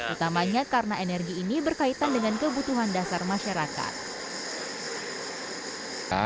utamanya karena energi ini berkaitan dengan kebutuhan dasar masyarakat